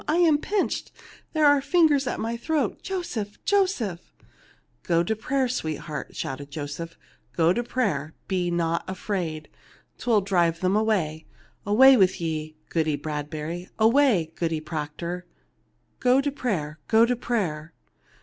I am pinched ! There are fingers at my throat ! Joseph ! Joseph !"(( Go to prayer, sweetheart," shouted Joseph. 230 THE LITTLE MAID AT THE DOOR " Go to prayer. Be not afraid. 'Twill drive them away. Away with ye, Goody Bradbury ! Away, Goody Proctor ! Go to prayer, go to prayer